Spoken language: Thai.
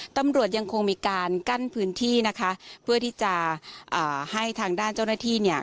ตำรวจยังคงมีการกั้นพื้นที่นะคะเพื่อที่จะอ่าให้ทางด้านเจ้าหน้าที่เนี่ย